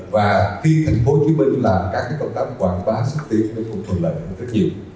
và khi tp hcm làm các công tác quảng phá xuất tiến về vùng thuận lợi rất nhiều